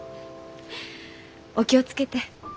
お気を付けて。